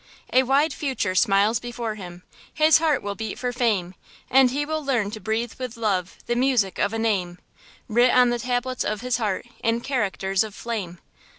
A wide future smiles before him, His heart will beat for fame, And he will learn to breathe with love The music of a name, Writ on the tablets of his heart In characters of flame.